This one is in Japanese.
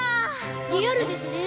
リアルですね。